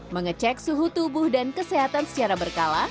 mengecek suhu tubuh dan kesehatan secara berkala